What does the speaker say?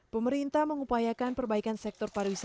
pemerintah mengupayakan perbaikan sektor pariwisata